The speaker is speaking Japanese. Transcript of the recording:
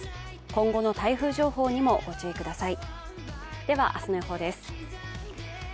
今後の台風情報にもご注意ください。